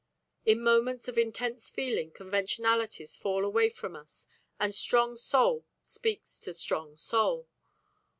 In moments of intense feeling conventionalities fall away from us and strong soul speaks to strong soul.